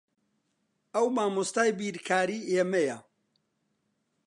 ئەو مامۆستای بیرکاریی ئێمەیە.